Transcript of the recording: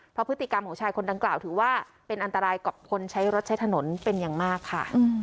เพราะพฤติกรรมของชายคนดังกล่าวถือว่าเป็นอันตรายกับคนใช้รถใช้ถนนเป็นอย่างมากค่ะ